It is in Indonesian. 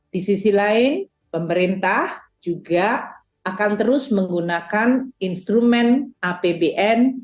di sisi lain pemerintah juga akan terus menggunakan instrumen apbn